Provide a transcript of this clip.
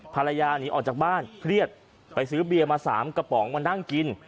ภรรยาหนีออกจากบ้านเครียดไปซื้อเบียร์มา๓กระป๋องมานั่งกิน